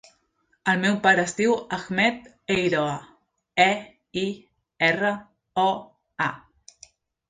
El meu pare es diu Ahmed Eiroa: e, i, erra, o, a.